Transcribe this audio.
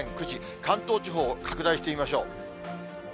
関東地方を拡大してみましょう。